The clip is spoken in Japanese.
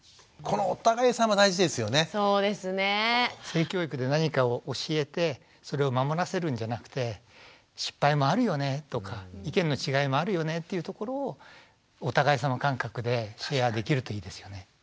性教育で何かを教えてそれを守らせるんじゃなくて失敗もあるよねとか意見の違いもあるよねっていうところをお互いさま感覚でシェアできるといいですよね。